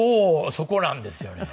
そこなんですよね。